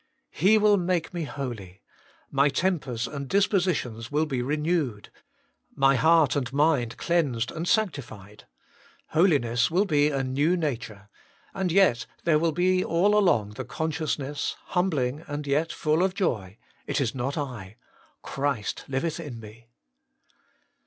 2. He will make me holy : my tempers and dispositions will be renewed ; my heart and mind cleansed and sanctified ; holiness will be a new nature ; and yet there will be all along the consciousness, humbling and yet full of joy : It is not I ; Christ liueth in me.